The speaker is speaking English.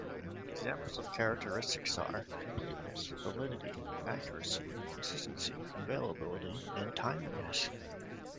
Examples of characteristics are: completeness, validity, accuracy, consistency, availability and timeliness.